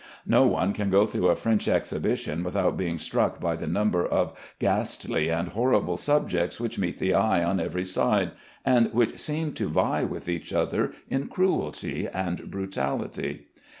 No one can go through a French exhibition without being struck by the number of ghastly and horrible subjects which meet the eye on every side, and which seem to vie with each other in cruelty and brutality.